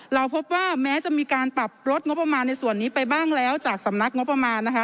เราพบว่าแม้จะมีการปรับลดงบประมาณในส่วนนี้ไปบ้างแล้วจากสำนักงบประมาณนะคะ